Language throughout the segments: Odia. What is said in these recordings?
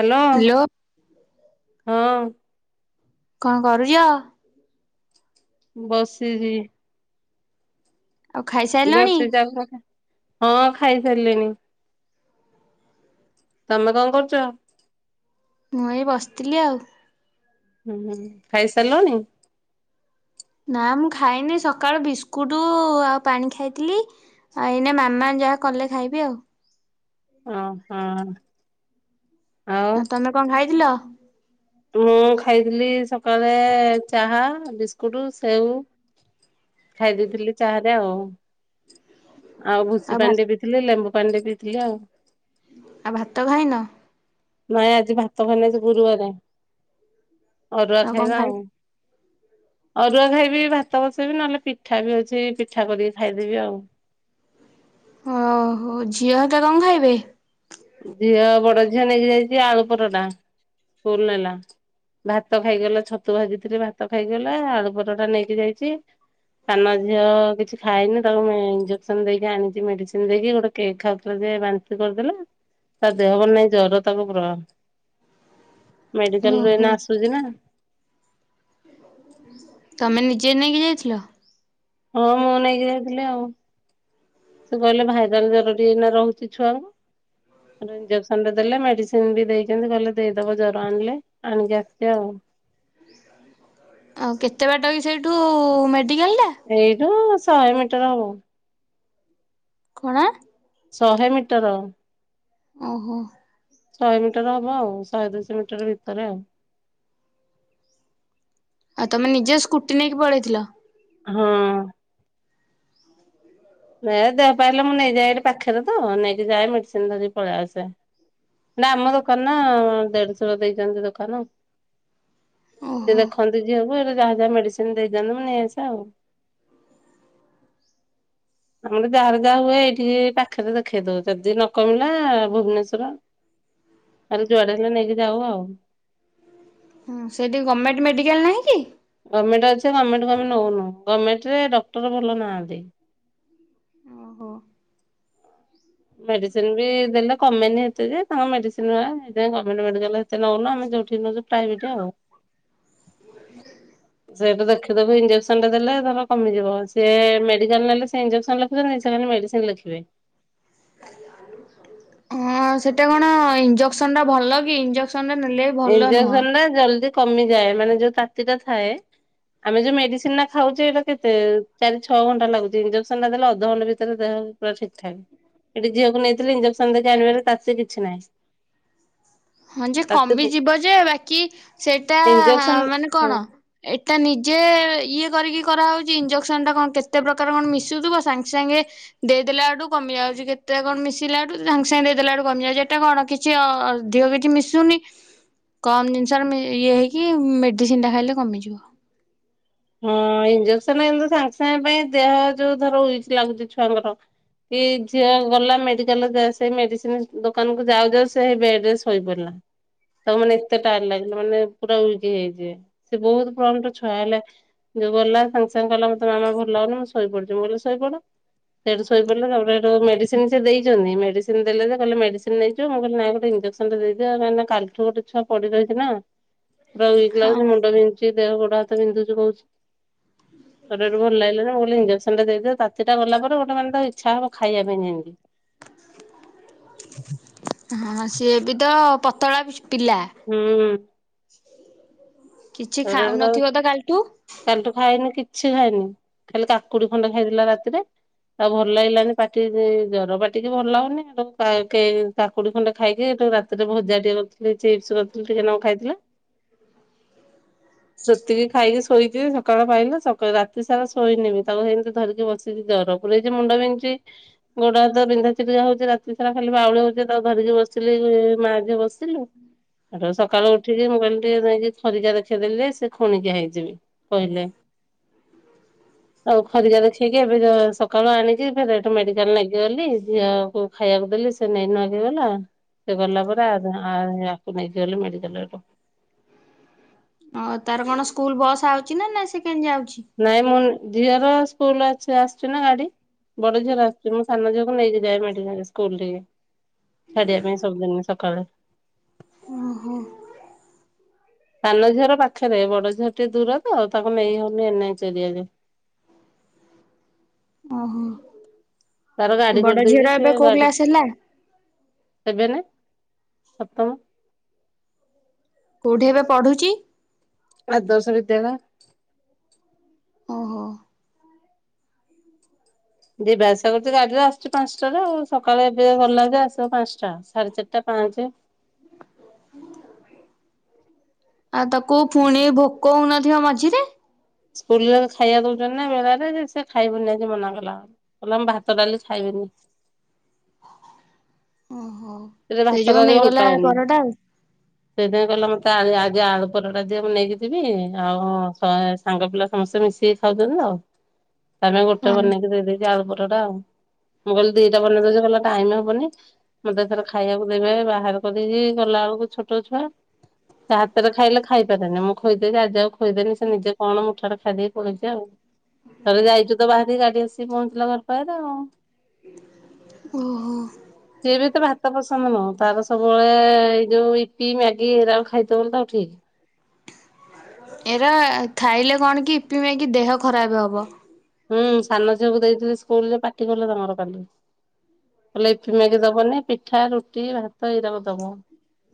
ହାଲୋ ହ୍ୟାଲୋ ହଁ। କଣ କରୁଚ? ବସିଚି। ଆଉ ଖାଇସାରିଲଣି? ବସିଚ ଆଉ [unintelligible] ହଁ ଖାଇସାରିଲିଣି। ତମେ କଣ କରୁଚ? ମୁଁ ଏଇ ବସିଥିଲି ଆଉ। ହୁଁ ହୁଁ ଖାଇସାରିଲଣି? ନା ମୁଁ ଖାଇନି ସକାଳୁ ବିସ୍କୁଟୁ ଆଉ ପାଣି ଖାଇଥିଲି ଆଉ ଏଇନା ମାମା ଯାହା କଲେ ଖାଇବି ଆଉ। ଉଁ ହୁଁ। ଆଉ ତମେ କଣ ଖାଇଥିଲ? ମୁଁ ଖାଇଥିଲି ସକାଳେ ଚାହା, ବିସ୍କୁଟୁ, ସେଉ ଖାଇ ଦେଇଥିଲି ଚାହାରେ ଆଉ। ଆଉ ଭୁସି ପାଣି ଟିକେ ପିଇଥିଲେ ଲେମ୍ବୁପାଣି ଟିକେ ପିଇଥିଲି ଆଉ। ଆଉ ଭାତ ଖାଇନ? ନାଇଁ ଆଜି ଭାତ ଖାଇନି ଆଜି ଗୁରୁବାରେ। ଅରୁଆ କଣ ଖାଇବା ଖାଇ ଆଉ। ଅରୁଆ ଖାଇବି ଭାତ ବସେଇବି ନହେଲେ ପିଠା ବି ଅଛି ପିଠା କରିକି ଖାଇଦେବି ଆଉ। ଓହୋ ଝିଅ ହେକା କଣ ଖାଇବେ? ଝିଅ ବଡ ଝିଅ ନେଇକି ଯାଇଚି ଆଳୁ ପରଟା ସ୍କୁଲ ନେଲା। ଭାତ ଖାଇକିଗଲା ଛତୁ ଭାଜିଥିଲି ଭାତ ଖାଇଗଲା ଆଳୁ ପରଟା ନେଇକି ଯାଇଚି ସାନ ଝିଅ କିଛି ଖାଇନି ତାକୁ ମୁଁ ଇଞ୍ଜେକ୍ସନ ଦେଇକି ଆଣିଚି ମେଡିସିନ ଦେଇକି ଗୋଟେ କେକ୍ ଖାଉଥିଲା ସେ ବାନ୍ତି କରିଦେଲା ତା ଦେହ ଭଲ ନାହିଁ ଜର ତାକୁ ପ୍ରବଳ। ମେଡିକାଲରୁ ଓହୋ ଏଇନା ଆସୁଛି ନା। ତମେ ନିଜେ ନେଇକି ଯାଇଥିଲ? ହଁ ମୁଁ ନେଇକି ଯାଇଥିଲି ଆଉ। ସେ କହିଲେ ଭାଇରାଲ ଜର ଟିକେ ଏଇନା ରହୁଛି ଛୁଆଙ୍କୁ। ତାପରେ ଇଞ୍ଜେକ୍ସନଟେ ଦେଲେ ମେଡିସିନ ବି ଦେଇଚନ୍ତି କହିଲେ ଦେଇଦବ ଜର ଆଣିଲେ ଆଣିକି ଆସିଚି ଆଉ। ଆଉ କେତେ ବାଟ କି ସେଇଠୁ ମେଡିକାଲ? ଟା? ଏଇଠୁ ଶହେ ମିଟର ହବ। କଣ? ଶହେ ମିଟର। ଓହୋ। ଶହେ ମିଟର ହବ ଆଉ ଶହେ ଦଶ ମିଟର ଭିତରେ ଆଉ। ଆଉ ତମେ ନିଜ ସ୍କୁଟି ନେଇକି ପଳେଇଥିଲ? ହଁ। ନ ଦେହପାରିଲ ମୁଁ ନେଇଯାଏ ଏଠି ପାଖରେ ତ ନେଇକି ଯାଏ ମେଡିସିନ ଧରି ପଳେଇ ଆସେ। ନା ଆମ ଦୋକାନ ନା ଦେଢସୂର୍ ଦେଇଛନ୍ତି ଦୋକାନ। ସେ ଓହୋ ଦେଖନ୍ତି ଝିଅ କୁ [unintelligible] ଯାହା ଯାହା ମେଡିସିନ ଦେଇଦିଅନ୍ତୁ ମୁଁ ନେଇ ଆସେ ଆଉ। ଆମର ଯାହାର ଯାହା ହୁଏ ଏଇଠିକି ପାଖରେ ଦେଖେଇ ଦଉ ଯଦି ନ କମିଲା ଭୁବନେଶ୍ଵର ଖାଲି ଯୁଆଡେ ହେଲେ ନେଇକି ଯାଉ ଆଉ। ହଁ ସେଇଠି ଗଭର୍ଣ୍ଣମେଣ୍ଟ ମେଡ଼ିକାଲ ନାହିଁ କି? ଗଭର୍ଣ୍ଣମେଣ୍ଟ ଅଛି ଗଭର୍ଣ୍ଣମେଣ୍ଟମେ ନଉନୁ ଗଭର୍ଣ୍ଣମେଣ୍ଟ ରେ ଡକ୍ଟର ଭଲ ନାହାନ୍ତି। [inaudible] ଓହୋ ମେଡିସିନ ବି ଦେଲେ କମେନିତେ ଯେ ତାଙ୍କ ମେଡିସିନ ଗମେଣ୍ଟ ମେଡିକାଲ ନଉନ ଆମେ ଯଉଠି ନ ପ୍ରାଇବେଟ ଆଉ। ସେଟା ଦେଖିଦବ ଇଞଜେସନ ଟା ଦେଲେ ଧର କମିଯିବ ସି ମେଡିକାଲ ନେଲେ ସେ ଇଞ୍ଜେକ୍ସନ ଲେଖୁଛନ୍ତି ମେଡିସିନ ଲଖିବେ। ହଁ ସେଇଟା କଣ ଇଞ୍ଜେକ୍ସନ ଟା ଭଲ କି ଇଜେସନ ଇଞ୍ଜେକ୍ସନ ଟା ଜଲଦି କମିଯାଏ ମାନେ ଯୋଉ ତାତି ଟା ଥାଏ ଆମେ ଯୋଉ ମେଡିସିନ ଟା ଖାଉଛେ ଏଟା କେତେ ଚାରି ଛଅ ଘଣ୍ଟ ଲାଗୁ ଇଞ୍ଜେକ୍ସନ ଟା ଦେଲେ ଅଧଘଣ୍ଟ ଭିତରେ ଦେହ ପା ଠିକ ଠାକ ଏଠି ଝିଅକୁ ନେଇଥିଲେ ଇଞ୍ଜେକ୍ସନ ଦେଖି ଆଣିବାରେ ତାତୀ ସେ କିଛି ନାହିଁ। ହଁ ଯେ ତାତି କମ ବି ଯିବ ଯେ ବାକି ସେଇଟା ଇଞ୍ଜେକ୍ସନ ମାନେ ହଁ କଣ ଏଟା ନିଜେ ଇଏ କରିକି କରାହଉଛି ଇଞଜେକ୍ସନ ଟା କଣ କେତେ ପ୍ରକାର କଣ ମିଶୁଥିବ ସାଙ୍ଗେ ସାଙ୍ଗେ ଦେଇଦେଲା ବୁ କମି ଯାଉ ଛି କେତେ କଣ ମିଶିଲା ବେଠୁ ସାଙ୍ଗେ ସାଙ୍ଗେ ଦେଇଦେଲା ବେୁ କମିଯା ଏଟା କଣ କିଛି ଅଧିକ ମିଶୁନି କମ ଜିନିଷରେ ଇଏ ହେଇକି ମେଡିସିନ ଟା ଖାଇଲେ କମିଯିବ। ହଁ ଇଞ୍ଜେକ୍ସନ ଏମତି ସାଙ୍ଗେ ସାଙ୍ଗେ ପାଇଁ ଦେହ ଯୋଉ ଧର ଉଇକି ଲାଗୁଛି ଛୁଆଙ୍କର କି ଝିଅ ଗଲା ମେଡିକାଲ ସେ ମେଡିସିନ ଦୋକାନକୁ ଯାଉ ଯାଉ ସେଇ ବେଡ ରେ ଶୋଇପଡିଲା। ତାକୁ ମାନେ ଏତେ ଟାଇଡେ ଲାଗିଲା ମାନେ ପୁରା ଇ ହେଇଯିବେ ସେ ବହୁତ ପ୍ରମୋଟ ଛୁଆ ହେଲେ ଯୋଉ ଗଲା ସାଙ୍ଗେ ସାଙ୍ଗେ ଗଲା ମତେ ମାମା ଭଲ ଲାଗୁନି ମୁଁ ଶୋଇ ପଡୁଛି ମୁଁ କହିଲି ଶୋଇପଡ। ସେଠି ଶୋଇ ପଡିଲ ତା ମେଡିସିନ ସେ ଦେଇଛନ୍ତି ମେଡିସିନ ଦେଲେ କହିଲେ ମେଡିସିନ ନେଇିବ ମୁଁ କହିଲି ଇଜେସନ ଟା ଦେଇଦିଅ କଁ ନା କାଲିଠୁ ଗୋଟେ ଛୁଆ ପଡି ରହିଛି ନା। ପୁରା ୱେକ୍ ଲାଗୁଛି ହଁ ମୁଣ୍ଡ ବିନ୍ଧୁଛି ଦେହ ଗୋଡ ହାତ ବିନ୍ଧୁଛି କହୁଛି। ଶରୀରେ ଭଲ ଲାଗିଲା ମୁଁ କିଲି ଇଞ୍ଜେକ୍ସନଟା ଦେଇଦେବ ତାତିଟା ଗଲା ପରେ ଗୋୋନେଙ୍କ ଇଚ୍ଛା ହବ ଖାଇବା ପାଇଁ ଯେମତି। ହଁ ସିଏ ବି ତ ପତଳା ବି ହୁଁ। କିଛି ଖାଉନଥିବ ତ କାଲିଠୁ। କାଲି ଠୁ ଖାଇନି କିଛି। କିଛି ଖାଇନି ଖାଲି କାକୁଡି ଖଣ୍ଡ ଖାଇଲା ରାତିରେ ଆଉ ଭଲ ଲାଗିଲାନି ପାଟି ଜର ପାଟିକି ଭଲ ଲାଗୁନି ଆ କାକୁଡି ଖଣ୍ଡେ ଖାଇକି େ ରାତିରେ ଭଜା ଟିକେ କରିଥିଲି ଚିପ୍ସ କରିଥିଲି ଟିକେ ନ ଖାଇଥିଲା ସେତିକି ଖାଇକି ଶୋଇଥିବେ ସକାଳ ପାଇଲେ ସଳ ରାତି ସାରା ଶୋଇନେବି ତାକୁ ସେମିତି ଧରିକି ବସିକି ଜର ପୁରଇଛି ମୁଣ୍ଡ ବିନ୍ଧଛି ଗୋଡା ବିନ୍ଧା ଚିଲିକା ହଉଛି ରାତି ସାରା ଖାଲି ବାଉଳି ହଉଛି ତାକୁ ଧରିକି ବସିଲି ମାଝ ବସିଲୁ ସକାଳୁ ଉଠିକି ମୁଁ କହିଲି ଟିକେ ନେଇକି ଖରିକା ଦେଖି ଦେଲେ ସେ ଖୁଣିକି ହେଇଯିବି କହିଲେ। ଆଉ ଖରିକା ଦେଖେଇକି ଏବେ ସକାଳୁ ଆଣିକି ଫରେ ଏଥି ମେଡିକାଲ ଲାଗିଗଲି ଝିଅକୁ ଖାଇବାକୁ ଦେ ସେ ନେଇ ନଗି ଗଲା ସେ ଗଲା ପରେକୁ ନେଇକି ଗଲେ ମେଡିକାଲ ଓ ତାର କଣ ସ୍କୁଲ ବସ୍ ଆଉଛି ନା ନା ସେ କେମିତି ଯାଉଛି? ନାଇଁ ମୁଁ ଝିଅର ସ୍କୁଲ ଅଛି ଆଶୁଛି ନା ଗାଡି। ବଡ ଝିଅର ଆସିୁଛି ମୁଁ ସାନ ଝିଅକୁ ନେଇକି ଯାଏ ସ୍କୁଲ ମେ ସ୍କୁଲ୍ ଟିକେ ଛାଡିବା ପାଇଁ ସବୁଦିନ ସକାଳେ। ଓହୋ ସାନ ଝିଅର ପାଖରେ, ବଡ ଝିଅ ଟିକେ ଦୂର ତ ତାଙ୍କୁ ନେଇ ହଉନି ଏନ ଏଚ ଏରିଆରେ। ଓହୋ ତାର ଗାଡି ବଡ କରିଦେଇଛି, ଝିଅର ସେ ଏବେ କୋଉ ଗାଡି କ୍ଲାସ ହେଲା? ଏବେ ନା ସପ୍ତମ। କୋଉଠି ଏବେ ପଢୁଛି? ଆଦର୍ଶ ବିଦ୍ୟାଳୟ। ଓହୋ! ଯିବା ଆସିବା କରୁଛି ଗାଡିରେ ଆସୁଛି ପାଞ୍ଚଟାରୁ, ସକାଳେ ଏବେ ଗଲା ଯେ ଆସିବ ପାଞ୍ଚଟା। ସାଢେ ଚାରିଟା ପାଞ୍ଚ ପାଞ୍ଚେ। ଆଉ ତାକୁ ଫୁଣି ଭୋକ ହଉନଥିବ ମଝିରେ? ସ୍କୁଲରେ ଖାଇବା ଦଉଛନ୍ତି ନା ବେଳାରେ। ଯେ ସେ ଖାଇବନି ଆଜି ମନା କଲା, କହିଲା ମୁଁ ଭାତ ଡାଲି ଖାଇବନି। ଓହୋ ସେ ସେଇ ଭାତ ଯୋଉ ଡାଲି ଭଲ ନେଇଗଲା ପାଏନି। ପରଟା ଆଉ ସେଇଥିଆଇଁ କହିଲା ମତେ ଆଳି ଆଇ ଯେ ଆଳୁ ପରଟା ଦିଏ, ମୁଁ ନେଇକିଯିବି ଆଉ ସ-ସାଙ୍ଗ ପିଲା ସମସ୍ତେ ମିଶିକି ଖାଉଛନ୍ତି ତ। ତାମେ ଗୋଟେ ହଁ। ବନେଇକି ଦେଇଦେଇଚି ଆଳୁ ପର ଟ ଟା-ଆ, ମୁଁ କହିଲି ଦିଟା ବନେଇଦଉଚି, କଲା ଟାଇମ୍ ହବନି। ମତେଥର ଖାଇବାକୁ ଦେବେ ବାହାର କରିକି, ଗଲା ବେଳକୁ ଛୋଟ ଛୁଆ ସେ ହାତରେ ଖାଇଲେ ଖାଇପାରେନି। ମୁଁ ଖୋଇଦେ ଯେ ଆଜି ଆଉ ଖୋଇଦେନି। ସେ ନିଜେ କଣ ମୁଠା ଟା ଖାଇଦେଇ ପଲେଇଛି ଆଉ। ଥରେ ଯାଇଛୁ ତ ବାହାରିକି ଗାଡି ଆସିକି ପହଞ୍ଚିଲା ଘର ପାରେ ଆଉଁ। ଓହୋ! ପସନ୍ଦ ନୁହଁ ତାର ସବୁବେଳେ-ଏ-ଏ ଏଇ ଯୋଉ ଇପି ମ୍ୟାଗି ଏଇରାକୁ ଖାଇଥବଲ ତ ଠିକ୍। ଏରା ଖାଇଲେ କଣ କି ଇପି ମ୍ୟାଗି କିି ଦେହ ଖରାପ ହବ। ହୁଁ ସାନ ଝିଅକୁ ଦେଇଥିଲି, ସ୍କୁଲ ରେ ପାଟି କଲେ ତାଙ୍କର କାଲି। ଲେ ଇପି ମ୍ୟାଗି ଦବନି। ପିଠା, ରୁଟି, ଭାତ ଏଇରାକ ଦବ।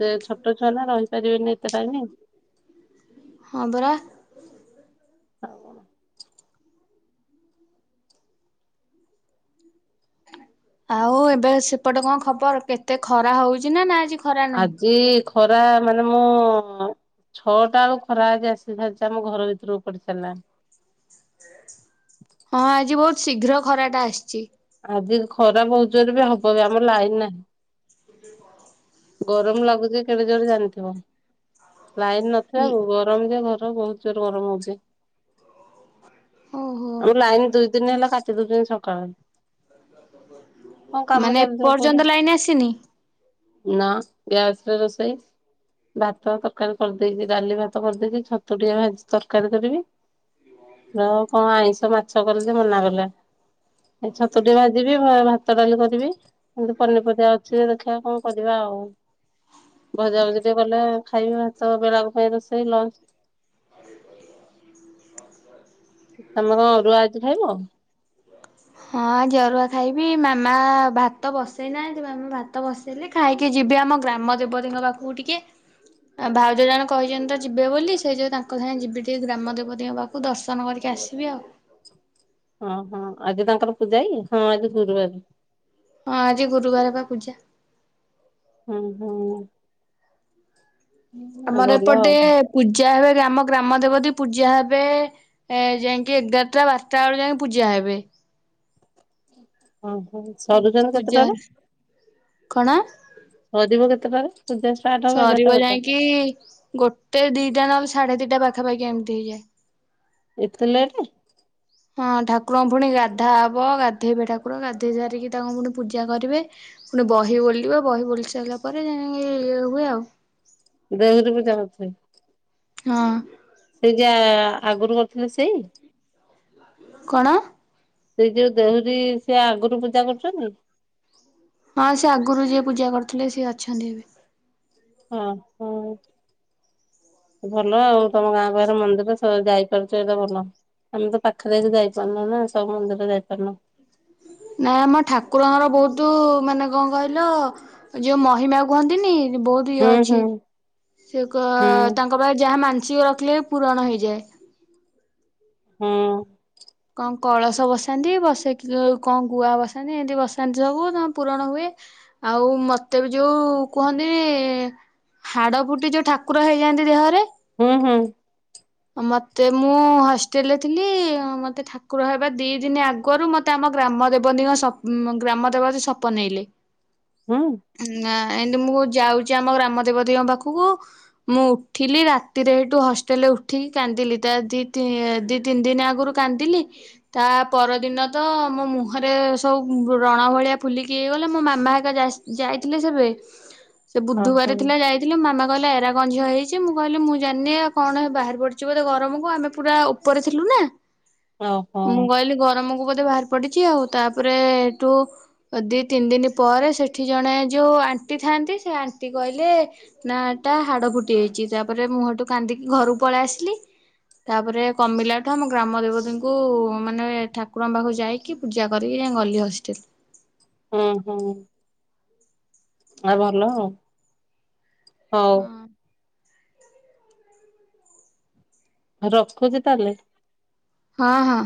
ସେ ଛୋଟ ଛୁଆ ନା ରହିପାରିବେନି ଏତେ ଟାଇମି। ହଁ ବରା ଆଉ କଣ? ଆଉ ଏବେ ସେପଟେ କଣ ଖବର? କେତେ ଖରା ହଉଛି ନା ନା ଆଜି ଖରା ନାହିଁ? ଆଜି ଖରା ମାନେ ମୁଁ-ଉଁ -ଉଁ ଛଅଟା ଆଳୁ ଖରାଆଜି ଆସି ସାରିଛି, ଆମ ଘର ଭିତରକୁ ପଡି ସାରିଲାଣି। ହଁ ଆଜି ବହୁତ ଶୀଘ୍ର ଖରା ଟା ଆସିଛି। ଆଜି ଖରା ବହୁଜୋରେ ବି ହବ ବି ଆମ ଲାଇନ ନାହିଁ। ସ୍କୁଟି କଣ? ଗରମ ଲାଗୁଛି କେଡେ ଜୋରେ ଜାଣିଥିବ। ଲାଇନ ନଥିବାକୁ ଗରମ ଯେ ଘର ବହୁତ ଜୋର୍ ଗରମ ହଉଛି। ଓହୋ। ଆମ ଲାଇନ୍ ଦୁଇ ଦିନ ହେଲା କାଟ୍ ଟି ଦଉଚନ୍ତି ସକାଳ। ହଁ କାମ ମାନେ ଚାଲିଥିବ ଏପର୍ଯ୍ୟନ୍ତ ପୁଣି। ଲାଇନ ଆସିନି? ନା ଗ୍ୟାସ ରେ ରୋଷେଇ ଭାତ ତରକାରୀ କରିଦେଇଛି। ଡାଲି ଭାତ କରିଦେଇଛି। ଛତୁଟିଏ ଭାଜି ତରକାରୀ କରିବି। ର କଣ ଆଇଁଷ ମାଛ କଲେ ଯେ ମନା କଲେ। ଏ ଛତ ତୁ ତଟି ଭାଜିବି, ଭାତ ଡାଲି କରିବି, ଏମତି ପନିପରିବା ଅଛି। ଦେଖିବା କଣ କରିବା ଆଉ? ଭଜା ଭଜି ଟିକଲେ ଖାଇବେ ଭାତ। ବେଳାକୁ ଫେରେ ରୋଷେଇ ଲଞ୍ଚ। ତମେ କଣ ଅରୁଆ ଆଜି ଖାଇବ? ହଁ ଆଜି ଅରୁଆ ଖାଇବି ମାମା ଭାତ ବସେଇନାହାଁନ୍ତି। ମାମା ଭାତ ବସେଇଲେ ଖାଇକି ଯିବେ ଆମ ଗ୍ରାମ ଦେବତୀଙ୍କ ପାଖକୁ ଟିକିଏ। ଆଉ ଭାଉଜ ଜଣେ କହିଛନ୍ତି, ତ ଯିବେ ବୋଲି ସେ ଯୋଉ ତାଙ୍କ ସାଙ୍ଗେ ଯିବି ଟିକେ ଗ୍ରାମ ଦେବତୀଙ୍କ ପାଖକୁ, ଦର୍ଶନ କରିକି ଆ ଆସିବି ଆଉ। ଅ ହଁ, ଆଜି ତାଙ୍କର ପୂଜା କି? ହଁ, ଆଜି ଗୁରୁବାର। ହଁ, ଆଜି ଗୁରୁବାର ବା ପୂଜା ହୁଁ ହୁଁ। ଆମର ଭଲ ଏପଟେ ଆଉ। ପୂଜା ହେବେ ଆମ ଗ୍ରାମ ଦେବ ଦି ପୂଜା ହେବେ ଏ ଯାଇକି ଏଗାରଟା ବାରଟା ବେଳକୁ ଯାଇକି ପୂଜା ହେବେ। ଓହୋ ସରୁଛନ୍ତି ପୂଜା କେତେଟାରେ କଣ ସରିବ କେତେ ସରିବ ଯାଇକି ଗୋଟେ ଦିଟା ନହେଲେ ସାଢେ ଦିନ ଟା ପାଖାପାଖି ଏମିତି ହେଇଯାଏ। ଏତେ ଲେଟ? ହଁ ଠାକୁରଙ୍କ ପୁଣି ଗାଧା ହେବ ଗାଧେଇବେ ଠାକୁର ଗାଧୋଇ ସାରିକି ତାଙ୍କୁ ପୁଣି ପୂଜା କରିବେ। ବହି ବୋଲିବ ବହି ବଲି ସାରିଲା ପରେ ଇଏ ହୁଏ ଆଉ। ଦେହୁରୀ ପୂଜା କରୁଥିବେ। ହଁ। ଆଜ୍ଞା ଆଗରୁ କରିଥିଲେ ସେଇ କଣ? ସେ ଯୋଉ ଦେହୁରୀ ସେ ଆଗରୁ ପୂଜା କରୁଛନ୍ତି। ହଁ ସେ ଆଗରୁ ଯିଏ ପୂଜା କରୁଥିଲେ ସେ ଅଛନ୍ତି। ହଁ ହଁ। ଭଲ ଆଉ ତମ ଗାଁ ପାହରେ ମନ୍ଦିର ଯାଇପାରୁଛ ଏଇଟା ଭଲ। ଆମେ ତ ପାଖରେ ଯାଇପାରୁନୁ ନା ସବୁ ମନ୍ଦିରରେ ଯାଇପାରୁନୁ। ନାଁ ଆମ ଠାକୁର ଙ୍କ ବୋଉତୁ ମାନେ କଣ କହିଲ ଯୋଉଁ ମହିମା କୁହନ୍ତିନି। ବହୁତ ଇଏ ହୁଁ ଅଛି ହୁଁ ସେ ହୁଁ ଏହା ମାନସିକ ରଖିଲେ ପୂରଣ ହେଇଯାଏ। ହୁଁ। କଣ କଳସ ବସାନ୍ତି ବସେଇ କଣ ଗୁଆ ବସାନ୍ତି ଏମିତି ବସାନ୍ତି ସବୁ ତା ପୂରଣ ହୁଏ। ଆଉ ମତେ ବି ଯୋଉ କୁହନ୍ତି। ହାଡ ଫୁଟି ଯୋଉ ଠାକୁର ହେଇଯାଆନ୍ତି ଦେହରେ ହୁଁ ହୁଁ। ମତେ ମୁଁ ହଷ୍ଟେଲରେ ଥିଲି ମତେ ଠାକୁର ହେବା ଦି ଦିନ ଆଗରୁ ମତେ ଆମ ଗ୍ରାମ ଦେବତୀଙ୍କ ସ ଗ୍ରାମ ଦେବତୀ ସପନେଇଲେ ହୁଁ ନାଁ ଆତି ମୁଁ ଯାଉଛି ଆମ ଗ୍ରାମ ଦେବ ଦେଙ୍କ ପାଖକୁ ମୁଁ ଉଠିଲି ରାତିରେ ହେଠୁ ହଷ୍ଟେଲେ ଠିକ କାନ୍ଦିଲି ତା ଦି ଦି ତିନି ଦିନ ଆଗରୁ କାନ୍ଦିଲି ତା ପରଦିନ ତ ମୋ ମୁହଁରେ ସବୁ ବଣ ଭଳିଆ ଫୁଲିକି ହେଇଗଲେ ମୋ ମାମା ହେକା ଯାଇଥିଲେ ସେବେ ସେ ହଁ ବୁଧବାର ହଁ। ଥିଲା ଯାଇଥିଲେ ମାମା କହିଲେ ଏରା କଣ ଝିଅ ହେଇଛି ମୁଁ କହିଲି ମୁଁ ଜାଣିନି ଆ କଣ ବାହାର ବୋଧେ ଗରମକୁ ଆମେ ପୁରା ଉପରେ ଥିଲୁ ନା ଓହୋ ମୁଁ କହିଲି ଗରମକୁ ବ ବାହାରି ପଡିଛି ଆଉ ତାପରେ ଏଠୁ ଦି ତିନି ଦିନ ପରେ ସେଠି ଜଣେ ଯୋଉ ଆଣ୍ଟି ଥାନ୍ତି ସେ ଆଣ୍ଟି କହିଲେ ନା ଟା ହାଡ ଫୁଟି ଯାଇଛି ତାପରେ ମୁହଠୁ କାନ୍ଦିକି ଘର ପଳେଇ ଆସିଲି। ତାପରେ କମିଲା ଠୁ ଆମ ଗ୍ରାମ ଦେବତୀଙ୍କୁ ମାନେ ଠାକୁରଙ୍କ ପାଖକୁ ଯାଇକି ପୂଜା କରିକି ଗଲି ହଷ୍ଟେଲେ। ହଁ ହୁଁ। ଆ ଭଲ ଆଉ। ହଁ। ରଖୁଛି ତାହାଲେ। ହଁ ହଁ।